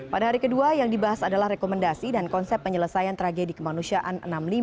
pada hari kedua yang dibahas adalah rekomendasi dan konsep penyelesaian tragedi kemanusiaan enam puluh lima